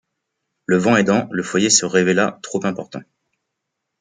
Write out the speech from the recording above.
Le vent aidant, le foyer se révéla trop important.